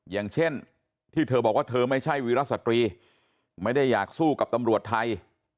อย่างเช่นที่เธอบอกว่าเธอไม่ใช่วีรสตรีไม่ได้อยากสู้กับตำรวจไทย